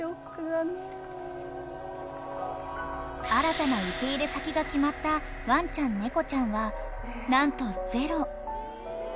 ［新たな受け入れ先が決まったワンちゃん猫ちゃんは何とゼロ］